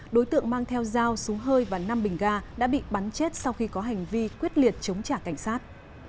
đối tượng mang theo dao súng hơi và năm bình ga đã bị bắn chết sau khi có hành vi quyết liệt chống trả cảnh sát